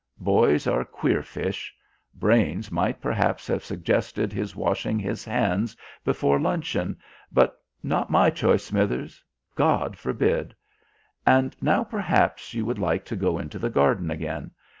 Boys are queer fish. Brains might perhaps have suggested his washing his hands before luncheon; but not my choice, Smithers. God forbid! And now, perhaps, you would like to go into the garden again.